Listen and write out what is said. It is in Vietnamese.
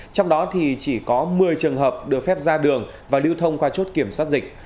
trong đó thì chỉ có một mươi trường hợp được phép ra đường và lưu thông qua chốt kiểm soát dịch